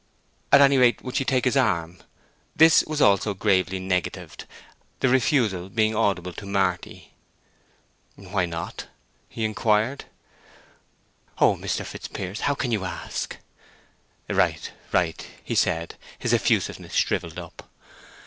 At any rate she would take his arm? This also was gravely negatived, the refusal being audible to Marty. "Why not?" he inquired. "Oh, Mr. Fitzpiers—how can you ask?" "Right, right," said he, his effusiveness shrivelled up.